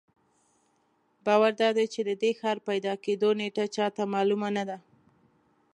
باور دادی چې د دې ښار پیدا کېدو نېټه چا ته معلومه نه ده.